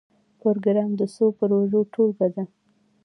پروګرام د څو پروژو ټولګه ده